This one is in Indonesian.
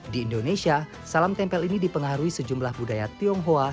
di indonesia salam tempel ini dipengaruhi sejumlah budaya tionghoa